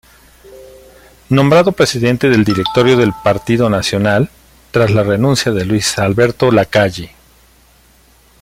Nombrado presidente del Directorio del Partido Nacional tras la renuncia de Luis Alberto Lacalle.